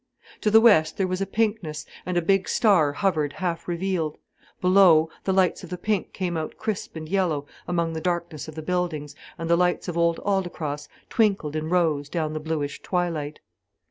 To the west there was a pinkness, and a big star hovered half revealed. Below, the lights of the pit came out crisp and yellow among the darkness of the buildings, and the lights of Old Aldecross twinkled in rows down the bluish twilight.